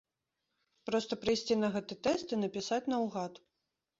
Проста прыйсці на гэты тэст і напісаць наўгад.